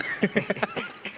ハハハハ。